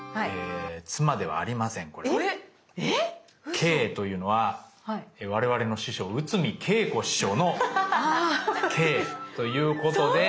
⁉「Ｋ」というのは我々の師匠内海桂子師匠の「Ｋ」ということで。